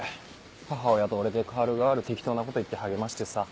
母親と俺で代わる代わる適当なこと言って励ましてさ。